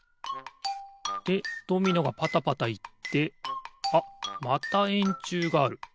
でドミノがパタパタいってあっまたえんちゅうがある。